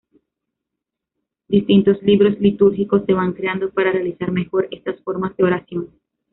Distintos libros litúrgicos se van creando para realizar mejor estas formas de oración.